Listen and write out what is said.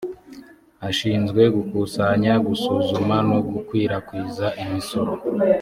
ashinzwe gukusanya gusuzuma no gukwirakwiza imisoro